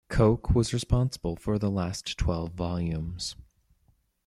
Koch was responsible for the last twelve volumes.